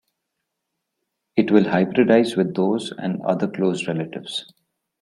It will hybridize with those and other close relatives.